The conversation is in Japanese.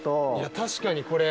確かにこれ。